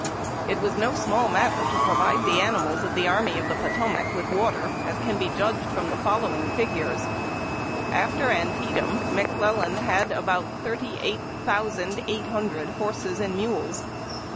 It was no small matter to provide the animals of the Army of the Potomac with water, as can be judged from the following figures: After Antietam McClellan had about thirty eight thousand eight hundred horses and mules.